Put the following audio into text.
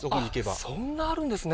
あっそんなあるんですね。